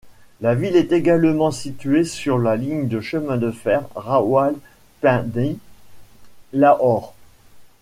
La ville est également située sur la ligne de chemin de fer Rawalpindi-Lahore.